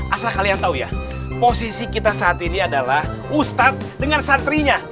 asal kalian tahu ya posisi kita saat ini adalah ustadz dengan santrinya